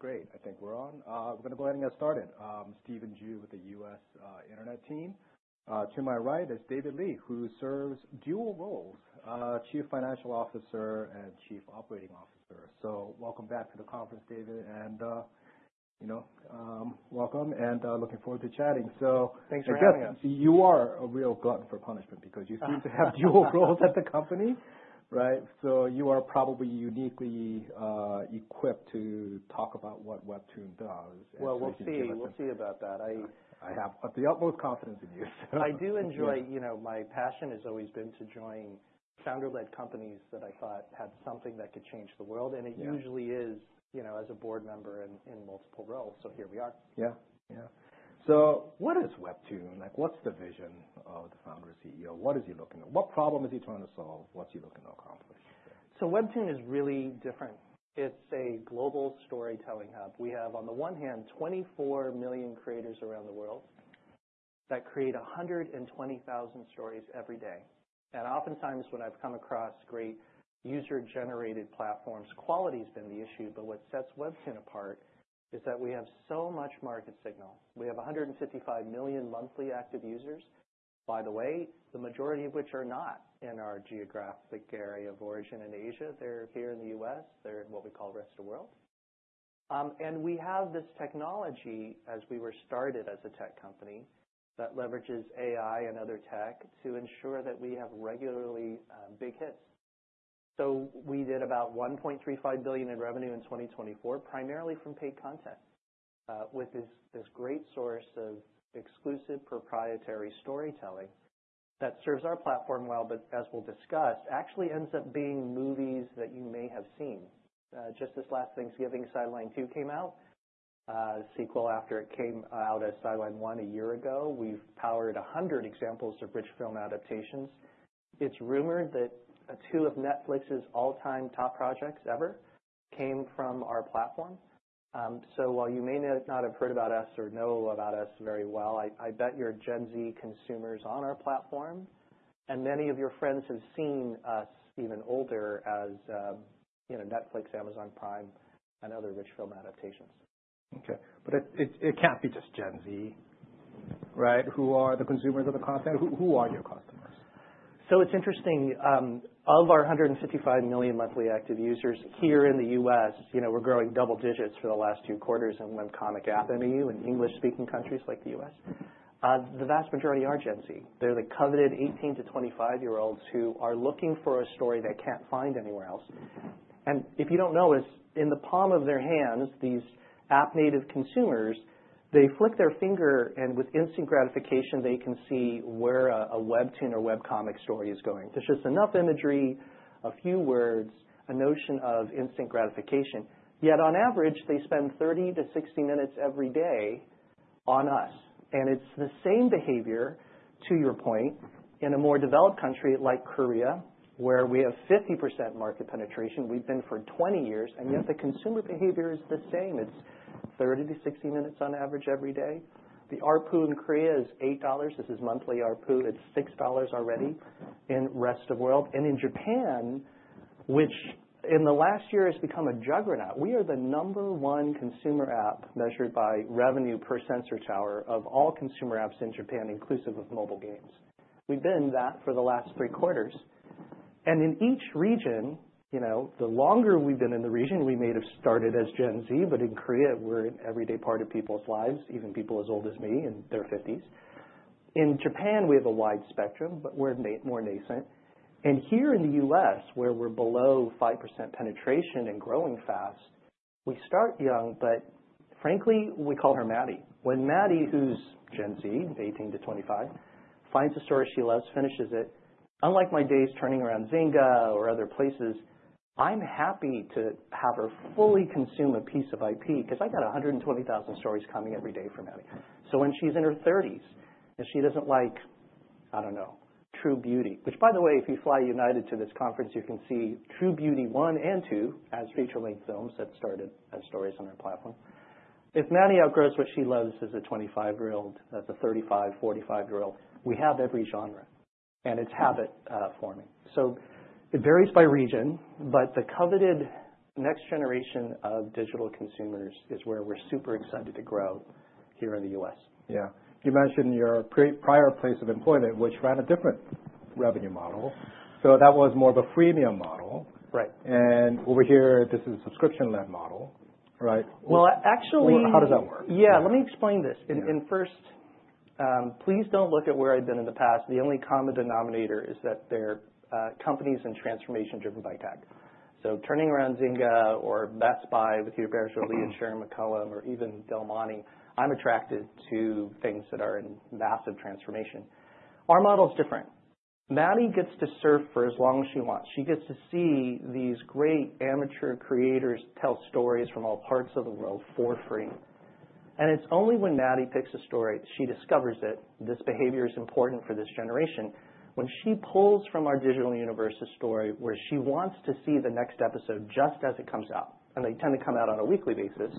All right, great. I think we're on. We're gonna go ahead and get started. Steve and Jude with the U.S. Internet team. To my right is David Lee, who serves dual roles, Chief Financial Officer and Chief Operating Officer. Welcome back to the conference, David, and, you know, welcome and looking forward to chatting. Thanks for having us. I guess you are a real glutton for punishment because you seem to have dual roles at the company, right? You are probably uniquely equipped to talk about what WEBTOON does. We'll see. We'll see about that. I. I have the utmost confidence in you. I do enjoy, you know, my passion has always been to join founder-led companies that I thought had something that could change the world. It usually is, you know, as a board member in, in multiple roles. Here we are. Yeah. Yeah. What is WEBTOON? Like, what's the vision of the founder CEO? What is he looking at? What problem is he trying to solve? What's he looking to accomplish? WEBTOON is really different. It's a global storytelling hub. We have, on the one hand, 24 million creators around the world that create 120,000 stories every day. Oftentimes when I've come across great user-generated platforms, quality's been the issue. What sets WEBTOON apart is that we have so much market signal. We have 155 million monthly active users, by the way, the majority of which are not in our geographic area of origin in Asia. They're here in the U.S. They're in what we call the rest of the world. We have this technology, as we were started as a tech company, that leverages AI and other tech to ensure that we have regularly, big hits. We did about $1.35 billion in revenue in 2024, primarily from paid content, with this great source of exclusive proprietary storytelling that serves our platform well, but, as we'll discuss, actually ends up being movies that you may have seen. Just this last Thanksgiving, Sidelined 2 came out, sequel after it came out as Sidelined 1 a year ago. We've powered 100 examples of rich film adaptations. It's rumored that two of Netflix's all-time top projects ever came from our platform. While you may not have heard about us or know about us very well, I bet you're Gen Z consumers on our platform. And many of your friends have seen us even older as, you know, Netflix, Amazon Prime, and other rich film adaptations. Okay. It can't be just Gen Z, right? Who are the consumers of the content? Who are your customers? It's interesting. Of our 155 million monthly active users here in the U.S., you know, we're growing double digits for the last two quarters and when Comic App MAU in English-speaking countries like the U.S., the vast majority are Gen Z. They're the coveted 18 to 25-year-olds who are looking for a story they can't find anywhere else. If you don't know, it's in the palm of their hands, these app-native consumers, they flick their finger and with instant gratification, they can see where a WEBTOON or webcomic story is going. There's just enough imagery, a few words, a notion of instant gratification. Yet on average, they spend 30-60 minutes every day on us. It's the same behavior, to your point, in a more developed country like Korea, where we have 50% market penetration. We've been for 20 years. Yet the consumer behavior is the same. It's 30-60 minutes on average every day. The ARPU in Korea is $8. This is monthly ARPU. It's $6 already in the rest of the world. In Japan, which in the last year has become a juggernaut, we are the number one consumer app measured by revenue per Sensor Tower of all consumer apps in Japan, inclusive of mobile games. We've been that for the last three quarters. In each region, you know, the longer we've been in the region, we may have started as Gen Z, but in Korea, we're an everyday part of people's lives, even people as old as me in their 50s. In Japan, we have a wide spectrum, but we're more nascent. Here in the U.S., where we're below 5% penetration and growing fast, we start young, but frankly, we call her Maddie. When Maddie, who's Gen Z, 18-25, finds a story she loves, finishes it, unlike my days turning around Zynga or other places, I'm happy to have her fully consume a piece of IP because I got 120,000 stories coming every day from Maddie. When she's in her 30s and she doesn't like, I don't know, True Beauty, which by the way, if you fly United to this conference, you can see True Beauty 1 and 2 as feature-length films that started as stories on our platform. If Maddie outgrows what she loves as a 25-year-old, as a 35, 45-year-old, we have every genre. It is habit forming. It varies by region, but the coveted next generation of digital consumers is where we're super excited to grow here in the U.S. Yeah. You mentioned your prior place of employment, which ran a different revenue model. That was more of a freemium model. Right. Over here, this is a subscription-led model, right? Well, actually. How does that work? Yeah. Let me explain this. Yeah. In first, please don't look at where I've been in the past. The only common denominator is that they're companies and transformation driven by tech. Turning around Zynga or Best Buy with Peter Parrish or Lee and Sharon McCollum or even Del Monte, I'm attracted to things that are in massive transformation. Our model's different. Maddie gets to surf for as long as she wants. She gets to see these great amateur creators tell stories from all parts of the world for free. It's only when Maddie picks a story, she discovers it, this behavior is important for this generation. When she pulls from our digital universe a story where she wants to see the next episode just as it comes out, and they tend to come out on a weekly basis,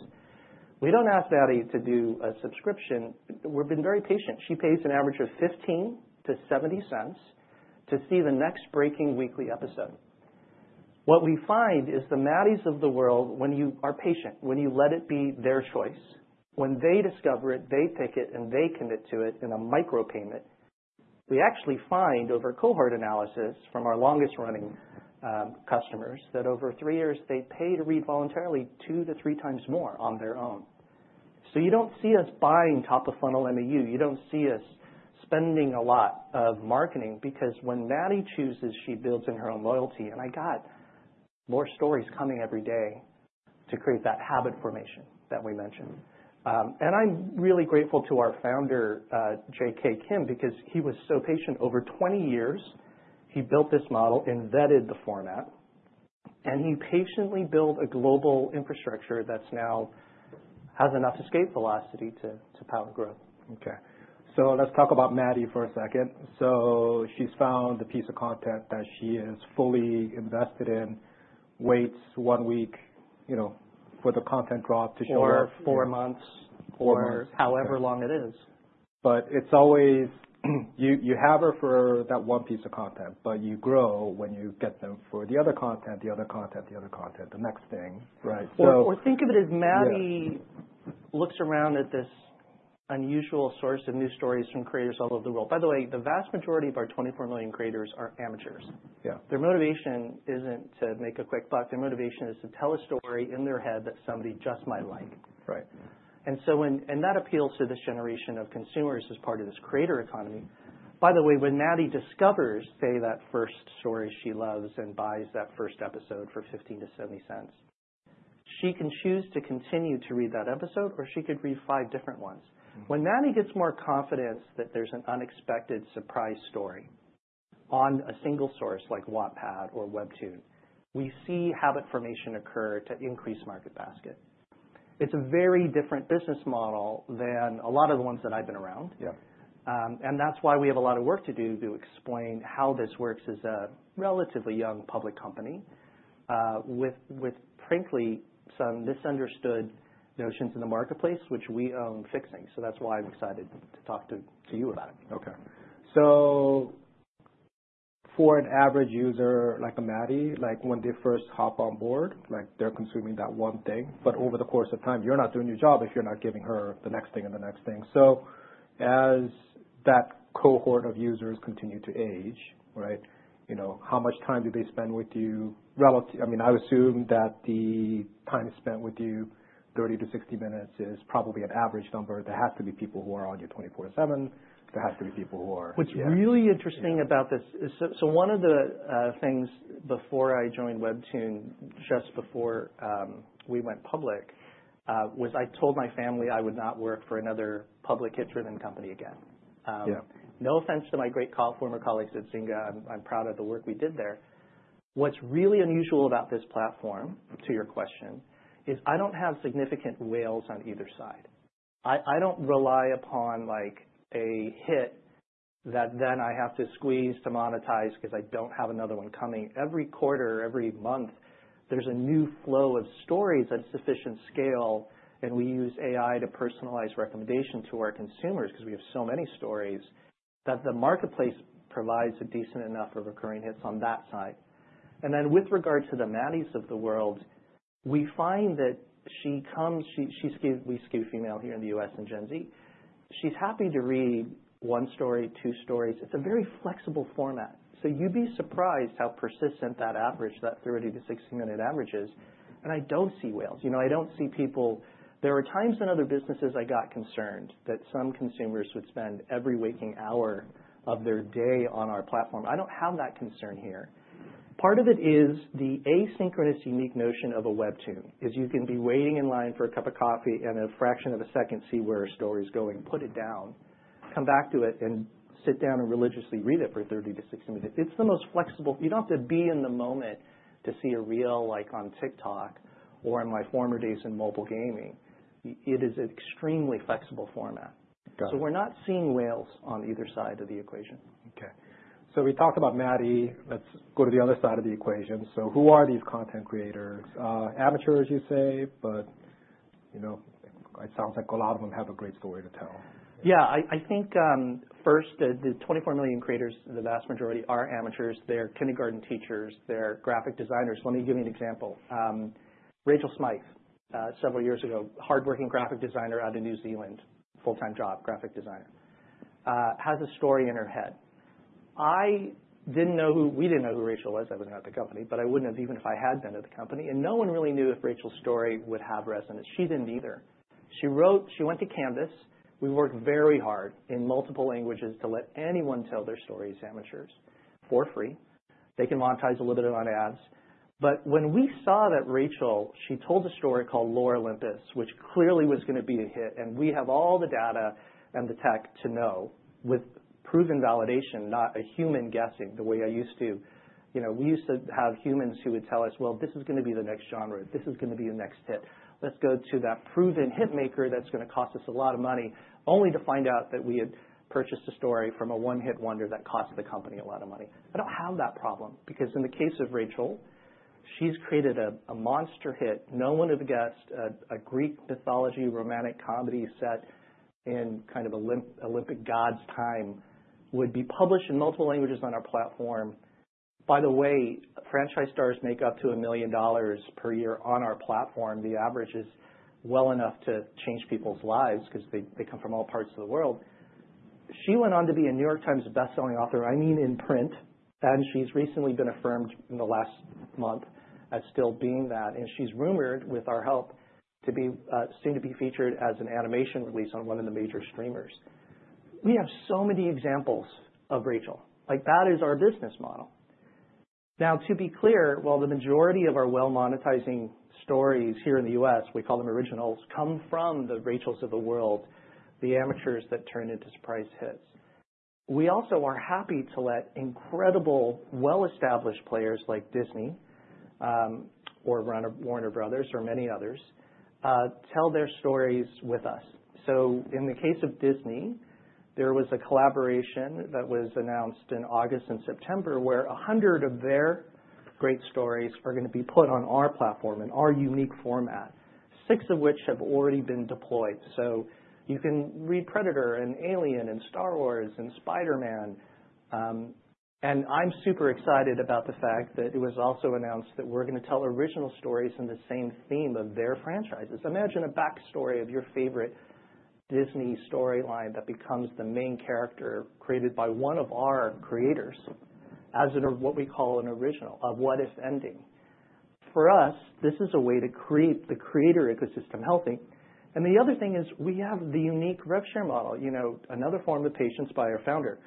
we don't ask Maddie to do a subscription. We've been very patient. She pays an average of $0.15-$0.70 to see the next breaking weekly episode. What we find is the Maddies of the world, when you are patient, when you let it be their choice, when they discover it, they pick it, and they commit to it in a micropayment, we actually find over cohort analysis from our longest-running customers that over three years, they pay to read voluntarily two to three times more on their own. You do not see us buying top of funnel MAU. You do not see us spending a lot of marketing because when Maddie chooses, she builds in her own loyalty. I have more stories coming every day to create that habit formation that we mentioned. I am really grateful to our founder, J.K. Kim, because he was so patient over 20 years. He built this model, embedded the format, and he patiently built a global infrastructure that now has enough escape velocity to power growth. Okay. Let's talk about Maddie for a second. She's found the piece of content that she is fully invested in, waits one week, you know, for the content drop to show up. Or four months. Four months. Or however long it is. It's always you, you have her for that one piece of content, but you grow when you get them for the other content, the other content, the other content, the next thing. Right? Or think of it as Maddie looks around at this unusual source of new stories from creators all over the world. By the way, the vast majority of our 24 million creators are amateurs. Yeah. Their motivation isn't to make a quick buck. Their motivation is to tell a story in their head that somebody just might like. Right. When that appeals to this generation of consumers as part of this creator economy. By the way, when Maddie discovers, say, that first story she loves and buys that first episode for $0.15-$0.70, she can choose to continue to read that episode, or she could read five different ones. When Maddie gets more confidence that there is an unexpected surprise story on a single source like Wattpad or WEBTOON, we see habit formation occur to increase market basket. It is a very different business model than a lot of the ones that I have been around. Yeah. That's why we have a lot of work to do to explain how this works as a relatively young public company, with, frankly, some misunderstood notions in the marketplace, which we own fixing. That's why I'm excited to talk to you about it. Okay. For an average user like a Maddie, like when they first hop on board, like they're consuming that one thing, but over the course of time, you're not doing your job if you're not giving her the next thing and the next thing. As that cohort of users continue to age, right, you know, how much time do they spend with you relative? I mean, I assume that the time spent with you, 30-60 minutes, is probably an average number. There has to be people who are on you 24/7. There has to be people who are with you. What's really interesting about this is, one of the things before I joined WEBTOON, just before we went public, was I told my family I would not work for another public hit-driven company again. Yeah. No offense to my great former colleagues at Zynga. I'm proud of the work we did there. What's really unusual about this platform, to your question, is I don't have significant whales on either side. I don't rely upon like a hit that then I have to squeeze to monetize because I don't have another one coming. Every quarter, every month, there's a new flow of stories at sufficient scale, and we use AI to personalize recommendation to our consumers because we have so many stories that the marketplace provides a decent enough of recurring hits on that side. With regard to the Maddies of the world, we find that she comes, she, she's skew, we skew female here in the U.S. and Gen Z. She's happy to read one story, two stories. It's a very flexible format. You'd be surprised how persistent that average, that 30-60 minute average is. I don't see whales. You know, I don't see people. There were times in other businesses I got concerned that some consumers would spend every waking hour of their day on our platform. I don't have that concern here. Part of it is the asynchronous unique notion of a WEBTOON, is you can be waiting in line for a cup of coffee and in a fraction of a second see where a story's going, put it down, come back to it, and sit down and religiously read it for 30-60 minutes. It's the most flexible. You don't have to be in the moment to see a reel like on TikTok or in my former days in mobile gaming. It is an extremely flexible format. Got it. We're not seeing whales on either side of the equation. Okay. We talked about Maddie. Let's go to the other side of the equation. Who are these content creators? Amateurs, you say, but, you know, it sounds like a lot of them have a great story to tell. Yeah. I think, first, the 24 million creators, the vast majority are amateurs. They're kindergarten teachers. They're graphic designers. Let me give you an example. Rachel Smythe, several years ago, hardworking graphic designer out of New Zealand, full-time job, graphic designer, has a story in her head. I didn't know who, we didn't know who Rachel was. I wasn't at the company, but I wouldn't have even if I had been at the company. No one really knew if Rachel's story would have resonance. She didn't either. She wrote, she went to Canvas. We worked very hard in multiple languages to let anyone tell their stories as amateurs for free. They can monetize a little bit on ads. When we saw that Rachel, she told a story called Lore Olympus, which clearly was going to be a hit. We have all the data and the tech to know with proven validation, not a human guessing the way I used to. You know, we used to have humans who would tell us, "Well, this is going to be the next genre. This is going to be the next hit. Let's go to that proven hitmaker that's going to cost us a lot of money," only to find out that we had purchased a story from a one-hit wonder that cost the company a lot of money. I don't have that problem because in the case of Rachel, she's created a monster hit. No one would have guessed a Greek mythology romantic comedy set in kind of Olympic gods' time would be published in multiple languages on our platform. By the way, franchise stars make up to $1 million per year on our platform. The average is well enough to change people's lives because they, they come from all parts of the world. She went on to be a New York Times bestselling author, I mean, in print. And she's recently been affirmed in the last month as still being that. She's rumored, with our help, to be, soon to be featured as an animation release on one of the major streamers. We have so many examples of Rachel. Like that is our business model. Now, to be clear, while the majority of our well-monetizing stories here in the U.S., we call them originals, come from the Rachels of the world, the amateurs that turn into surprise hits. We also are happy to let incredible well-established players like Disney, or Warner Bros. or many others, tell their stories with us. In the case of Disney, there was a collaboration that was announced in August and September where 100 of their great stories are going to be put on our platform in our unique format, six of which have already been deployed. You can read Predator and Alien and Star Wars and Spider-Man. I'm super excited about the fact that it was also announced that we're going to tell original stories in the same theme of their franchises. Imagine a backstory of your favorite Disney storyline that becomes the main character created by one of our creators as an, what we call, an original of what-if ending. For us, this is a way to create the creator ecosystem healthy. The other thing is we have the unique rev share model, you know, another form of patience by our founder.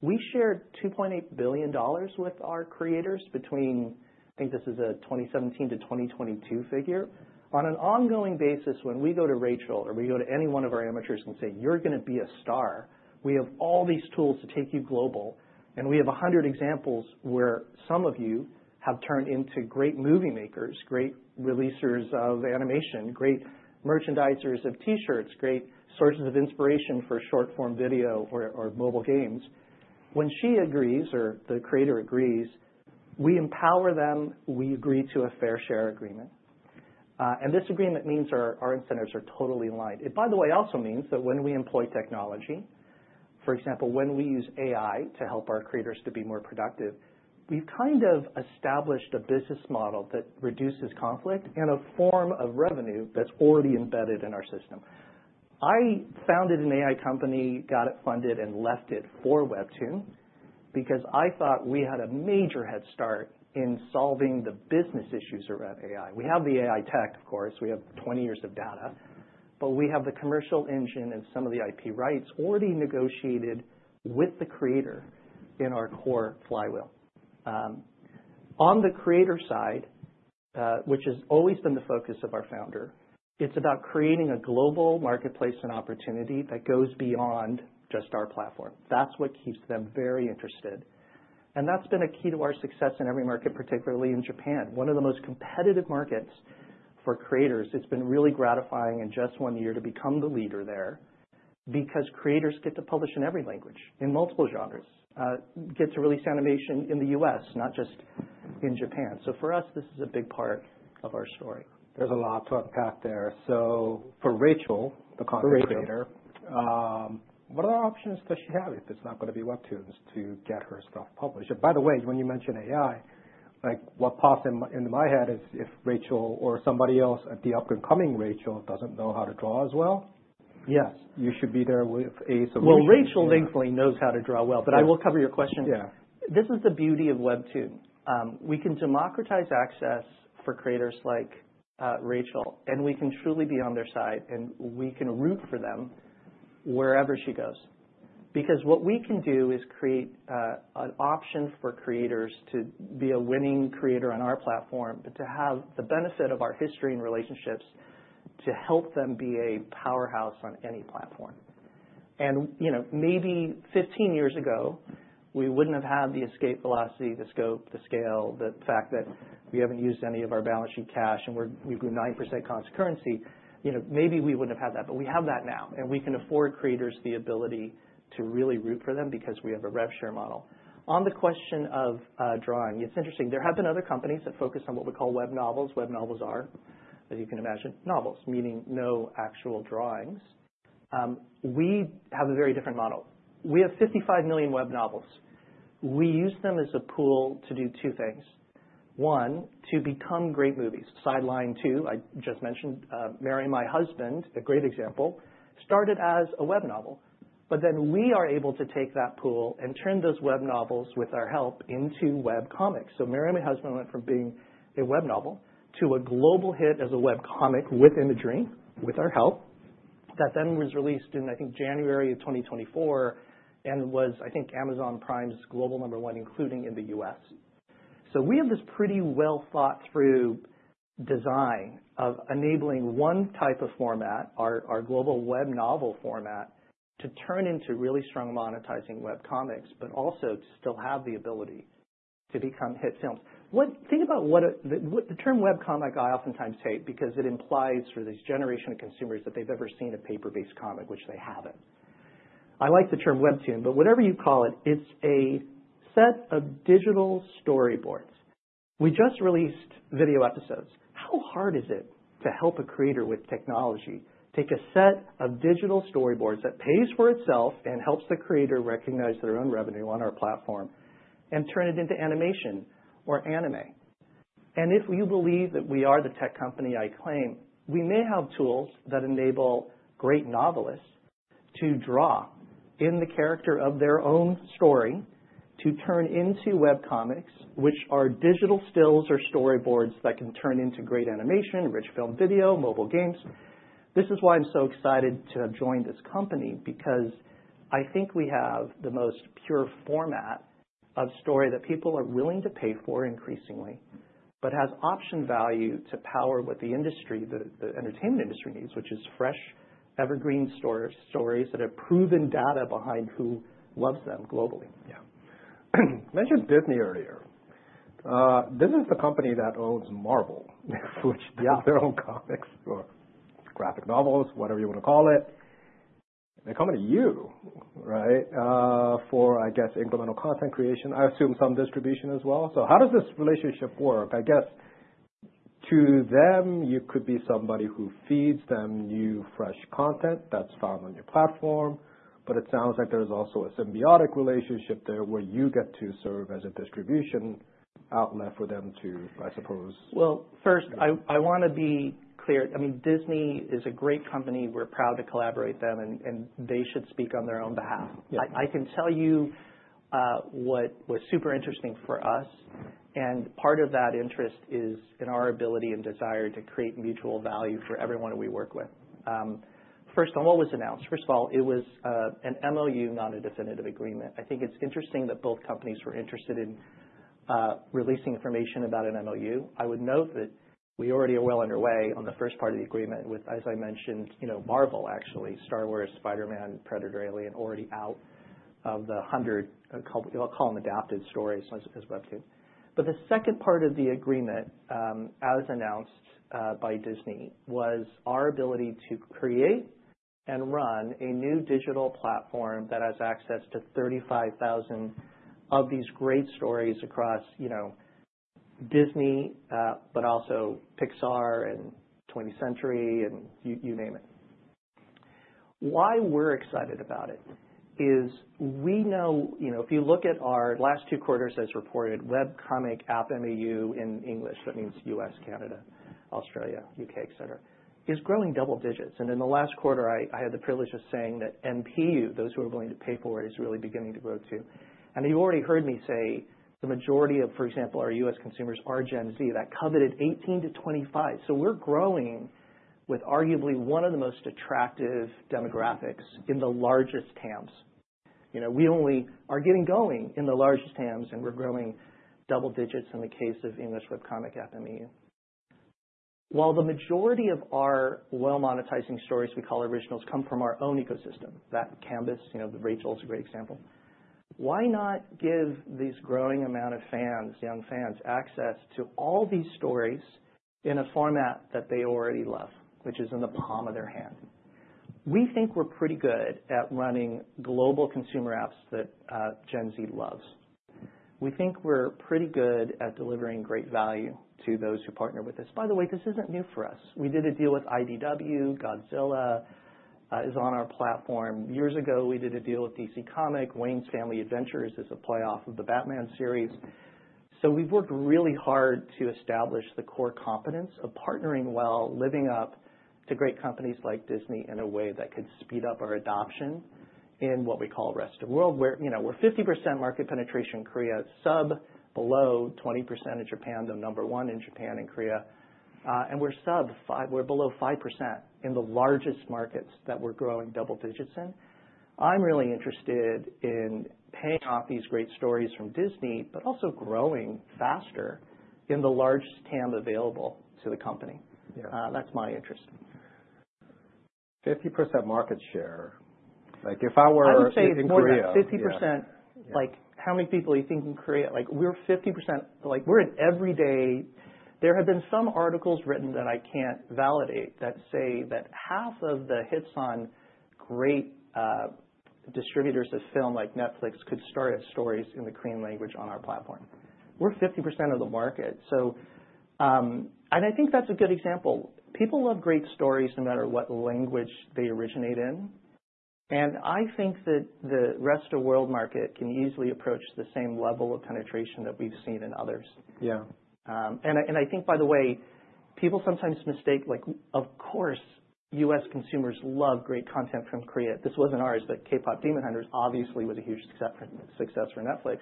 We shared $2.8 billion with our creators between, I think this is a 2017 to 2022 figure. On an ongoing basis, when we go to Rachel or we go to any one of our amateurs and say, "You're going to be a star, we have all these tools to take you global, and we have 100 examples where some of you have turned into great movie makers, great releasers of animation, great merchandisers of T-shirts, great sources of inspiration for short-form video or, or mobile games," when she agrees or the creator agrees, we empower them. We agree to a fair share agreement. This agreement means our incentives are totally aligned. It, by the way, also means that when we employ technology, for example, when we use AI to help our creators to be more productive, we've kind of established a business model that reduces conflict in a form of revenue that's already embedded in our system. I founded an AI company, got it funded, and left it for WEBTOON because I thought we had a major head start in solving the business issues around AI. We have the AI tech, of course. We have 20 years of data, but we have the commercial engine and some of the IP rights already negotiated with the creator in our core flywheel. On the creator side, which has always been the focus of our founder, it's about creating a global marketplace and opportunity that goes beyond just our platform. That's what keeps them very interested. That has been a key to our success in every market, particularly in Japan, one of the most competitive markets for creators. It has been really gratifying in just one year to become the leader there because creators get to publish in every language, in multiple genres, get to release animation in the U.S., not just in Japan. For us, this is a big part of our story. There's a lot to unpack there. For Rachel, the content creator. For Rachel. What other options does she have if it's not going to be WEBTOONs to get her stuff published? By the way, when you mention AI, like what pops into my head is if Rachel or somebody else, the up-and-coming Rachel, doesn't know how to draw as well. Yes. You should be there with Ace Witch. Rachel thankfully knows how to draw well. I will cover your question. Yeah. This is the beauty of WEBTOON. We can democratize access for creators like Rachel, and we can truly be on their side, and we can root for them wherever she goes. Because what we can do is create an option for creators to be a winning creator on our platform, but to have the benefit of our history and relationships to help them be a powerhouse on any platform. You know, maybe 15 years ago, we wouldn't have had the escape velocity, the scope, the scale, the fact that we haven't used any of our balance sheet cash, and we grew 9% cost of currency. You know, maybe we wouldn't have had that, but we have that now. We can afford creators the ability to really root for them because we have a rev share model. On the question of drawing, it's interesting. There have been other companies that focus on what we call web novels. Web novels are, as you can imagine, novels, meaning no actual drawings. We have a very different model. We have 55 million web novels. We use them as a pool to do two things. One, to become great movies. Sidelined 2, I just mentioned, Marry My Husband, a great example, started as a web novel. We are able to take that pool and turn those web novels with our help into webcomics. Marry My Husband went from being a web novel to a global hit as a webcomic with imagery, with our help, that then was released in, I think, January of 2024 and was, I think, Amazon Prime's global number one, including in the U.S. We have this pretty well-thought-through design of enabling one type of format, our global web novel format, to turn into really strong monetizing webcomics, but also to still have the ability to become hit films. What I think about what the term webcomic I oftentimes hate because it implies for this generation of consumers that they've ever seen a paper-based comic, which they haven't. I like the term WEBTOON, but whatever you call it, it's a set of digital storyboards. We just released video episodes. How hard is it to help a creator with technology take a set of digital storyboards that pays for itself and helps the creator recognize their own revenue on our platform and turn it into animation or anime? If you believe that we are the tech company I claim, we may have tools that enable great novelists to draw in the character of their own story to turn into webcomics, which are digital stills or storyboards that can turn into great animation, rich film video, mobile games. This is why I'm so excited to have joined this company because I think we have the most pure format of story that people are willing to pay for increasingly, but has option value to power what the industry, the entertainment industry needs, which is fresh, evergreen stories that have proven data behind who loves them globally. Yeah. You mentioned Disney earlier. This is the company that owns Marvel, which does their own comics or graphic novels, whatever you want to call it. They come to you, right, for, I guess, incremental content creation. I assume some distribution as well. How does this relationship work? I guess to them, you could be somebody who feeds them new fresh content that's found on your platform, but it sounds like there's also a symbiotic relationship there where you get to serve as a distribution outlet for them to, I suppose. First, I want to be clear. I mean, Disney is a great company. We're proud to collaborate with them, and they should speak on their own behalf. Yes. I can tell you what was super interesting for us. Part of that interest is in our ability and desire to create mutual value for everyone we work with. First of all, what was announced? First of all, it was an MOU, not a definitive agreement. I think it's interesting that both companies were interested in releasing information about an MOU. I would note that we already are well underway on the first part of the agreement with, as I mentioned, you know, Marvel, actually, Star Wars, Spider-Man, Predator, Alien, already out of the 100, I'll call them adapted stories as WEBTOON. The second part of the agreement, as announced by Disney, was our ability to create and run a new digital platform that has access to 35,000 of these great stories across, you know, Disney, but also Pixar and 20th Century and you name it. Why we're excited about it is we know, you know, if you look at our last two quarters, as reported, webcomic app MOU in English, that means U.S., Canada, Australia, U.K., etc., is growing double digits. In the last quarter, I had the privilege of saying that MPU, those who are willing to pay for it, is really beginning to grow too. You already heard me say the majority of, for example, our U.S. consumers are Gen Z, that coveted 18-25. We're growing with arguably one of the most attractive demographics in the largest camps. You know, we only are getting going in the largest camps, and we're growing double digits in the case of English webcomic app MAU. While the majority of our well-monetizing stories, we call originals, come from our own ecosystem, that Canvas, you know, the Rachel's a great example. Why not give this growing amount of fans, young fans, access to all these stories in a format that they already love, which is in the palm of their hand? We think we're pretty good at running global consumer apps that Gen Z loves. We think we're pretty good at delivering great value to those who partner with us. By the way, this isn't new for us. We did a deal with IDW. Godzilla is on our platform. Years ago, we did a deal with DC Comics. Wayne's Family Adventures is a playoff of the Batman series. We have worked really hard to establish the core competence of partnering well, living up to great companies like Disney in a way that could speed up our adoption in what we call rest of the world, where, you know, we are 50% market penetration in Korea, below 20% in Japan, though number one in Japan and Korea. We are below 5% in the largest markets that we are growing double digits in. I am really interested in paying off these great stories from Disney, but also growing faster in the largest TAM available to the company. Yeah. That's my interest. 50% market share. Like, if I were in Korea. I'd say 50%. Like, how many people do you think in Korea? Like, we're 50%. Like, we're an everyday. There have been some articles written that I can't validate that say that half of the hits on great distributors of film like Netflix could start as stories in the Korean language on our platform. We're 50% of the market. I think that's a good example. People love great stories no matter what language they originate in. I think that the rest of the world market can easily approach the same level of penetration that we've seen in others. Yeah. I think, by the way, people sometimes mistake, like, of course, U.S. consumers love great content from Korea. This was not ours, but KPop Demon Hunters obviously was a huge success for Netflix.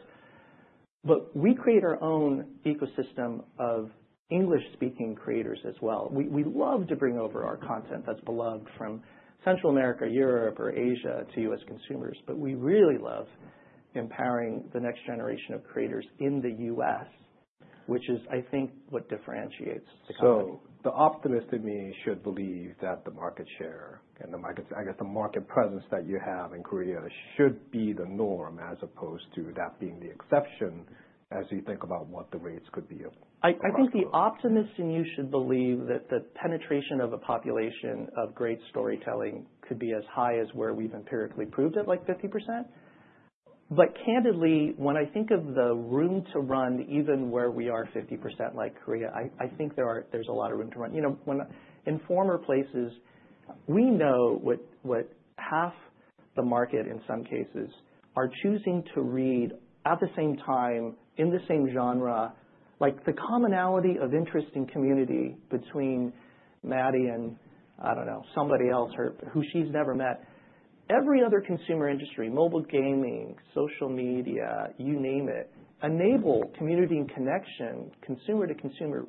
We create our own ecosystem of English-speaking creators as well. We love to bring over our content that is beloved from Central America, Europe, or Asia to U.S. consumers, but we really love empowering the next generation of creators in the U.S., which is, I think, what differentiates the company. The optimist in me should believe that the market share and the market, I guess, the market presence that you have in Korea should be the norm as opposed to that being the exception as you think about what the rates could be of. I think the optimist in you should believe that the penetration of a population of great storytelling could be as high as where we've empirically proved it, like 50%. Candidly, when I think of the room to run, even where we are 50% like Korea, I think there is a lot of room to run. You know, in former places, we know what half the market in some cases are choosing to read at the same time in the same genre, like the commonality of interesting community between Maddie and, I don't know, somebody else or who she's never met. Every other consumer industry, mobile gaming, social media, you name it, enable community and connection, consumer to consumer.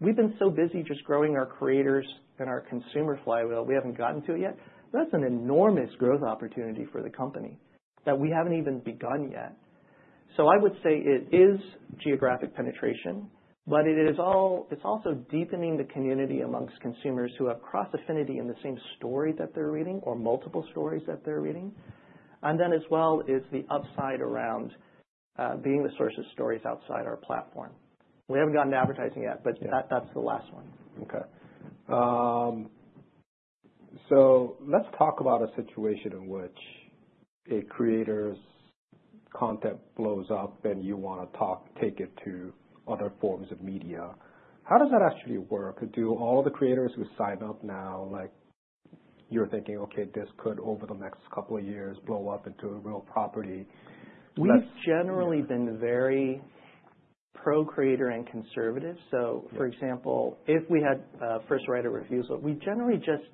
We've been so busy just growing our creators and our consumer flywheel. We haven't gotten to it yet. That's an enormous growth opportunity for the company that we haven't even begun yet. I would say it is geographic penetration, but it is also deepening the community amongst consumers who have cross-affinity in the same story that they're reading or multiple stories that they're reading. As well, there is the upside around being the source of stories outside our platform. We haven't gotten to advertising yet, but that's the last one. Okay. Let's talk about a situation in which a creator's content blows up and you want to take it to other forms of media. How does that actually work? Do all of the creators who sign up now, like you're thinking, okay, this could over the next couple of years blow up into a real property? We've generally been very pro-creator and conservative. For example, if we had first writer refusal, we generally just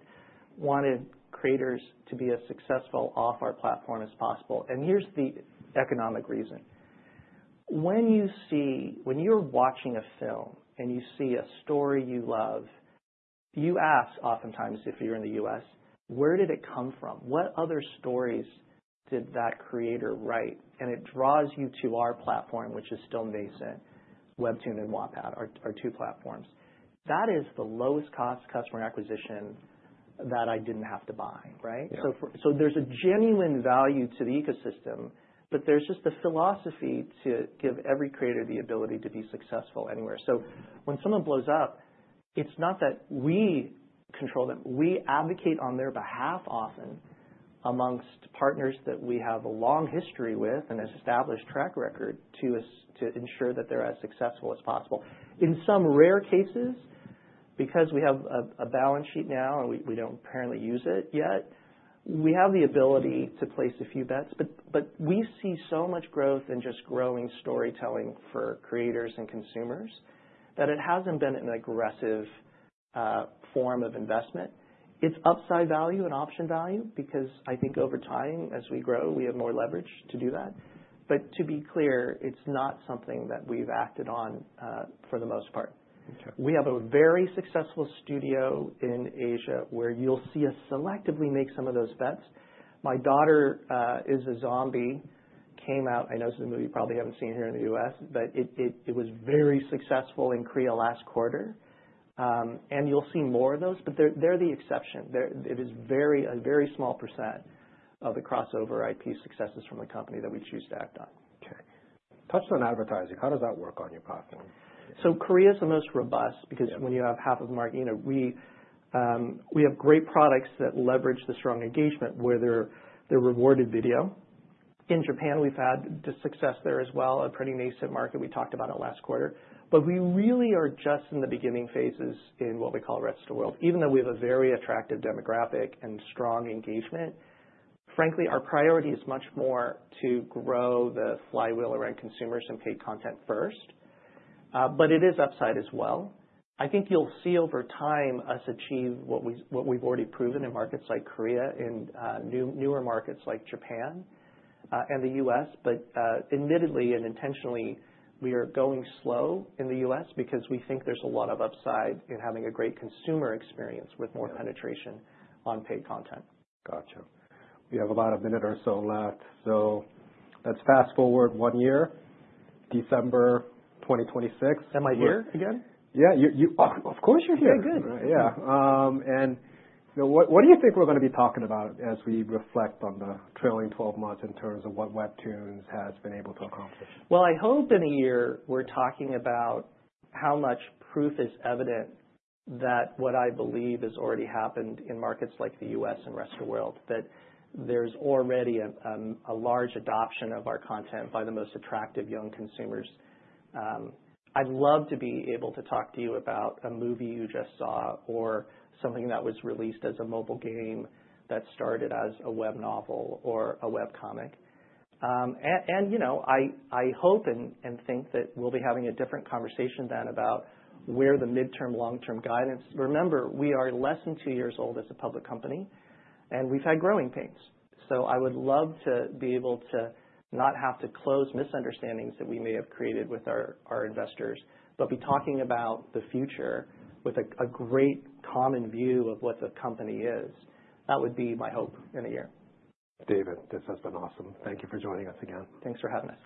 wanted creators to be as successful off our platform as possible. Here's the economic reason. When you see, when you're watching a film and you see a story you love, you ask oftentimes, if you're in the U.S., where did it come from? What other stories did that creator write? It draws you to our platform, which is still Mason, WEBTOON, and Wattpad, our two platforms. That is the lowest cost customer acquisition that I didn't have to buy, right? Yeah. There is a genuine value to the ecosystem, but there is just the philosophy to give every creator the ability to be successful anywhere. When someone blows up, it is not that we control them. We advocate on their behalf often amongst partners that we have a long history with and established track record to ensure that they are as successful as possible. In some rare cases, because we have a balance sheet now and we do not apparently use it yet, we have the ability to place a few bets. We see so much growth in just growing storytelling for creators and consumers that it has not been an aggressive form of investment. It is upside value and option value because I think over time, as we grow, we have more leverage to do that. To be clear, it's not something that we've acted on, for the most part. Okay. We have a very successful studio in Asia where you'll see us selectively make some of those bets. My Daughter Is a Zombie came out. I know it's a movie you probably haven't seen here in the U.S., but it was very successful in Korea last quarter. You'll see more of those, but they're the exception. It is a very small percent of the crossover IP successes from the company that we choose to act on. Okay. Touch on advertising. How does that work on your platform? Korea's the most robust because when you have half of the market, you know, we have great products that leverage the strong engagement where they're rewarded video. In Japan, we've had the success there as well, a pretty nascent market we talked about last quarter, but we really are just in the beginning phases in what we call rest of the world. Even though we have a very attractive demographic and strong engagement, frankly, our priority is much more to grow the flywheel around consumers and pay content first. It is upside as well. I think you'll see over time us achieve what we've already proven in markets like Korea and newer markets like Japan and the U.S. Admittedly and intentionally, we are going slow in the U.S. because we think there's a lot of upside in having a great consumer experience with more penetration on paid content. Gotcha. We have about a minute or so left. Let's fast forward one year, December 2026. Am I here again? Yeah. You're, you're, of course you're here. Okay, good. Yeah. And you know, what do you think we're going to be talking about as we reflect on the trailing 12 months in terms of what WEBTOON has been able to accomplish? I hope in a year we're talking about how much proof is evident that what I believe has already happened in markets like the U.S. and rest of the world, that there's already a large adoption of our content by the most attractive young consumers. I'd love to be able to talk to you about a movie you just saw or something that was released as a mobile game that started as a web novel or a webcomic. You know, I hope and think that we'll be having a different conversation then about where the midterm, long-term guidance. Remember, we are less than two years old as a public company, and we've had growing pains. I would love to be able to not have to close misunderstandings that we may have created with our investors, but be talking about the future with a great common view of what the company is. That would be my hope in a year. David, this has been awesome. Thank you for joining us again. Thanks for having us.